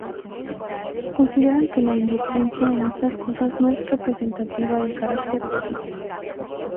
Consideran que la indulgencia en estas cosas no es representativa del carácter de Dios.